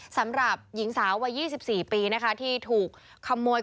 สำหรับหญิงสาววัย๒๔ปีที่ถูกขโมยกระเป๋าสตางค์